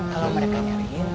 kalau mereka nyariin